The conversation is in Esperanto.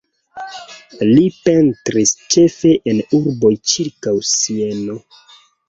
Li pentris ĉefe en urboj ĉirkaŭ Sieno.